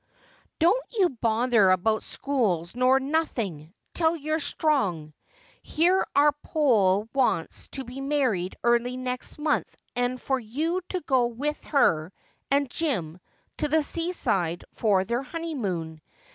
' Don't you bother about schools nor nothing, till you're strong. Here's our Poll wants to be married early next month and for you to go with her and Jim to the seaside for theii honeymoon.